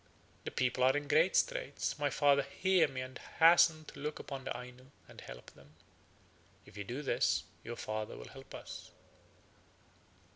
The people are in great straits. My father, hear me, and hasten to look upon the Ainu and help them.' If you do this, your father will help us."